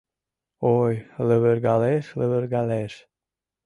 Ой, лывыргалеш, лывыргалеш.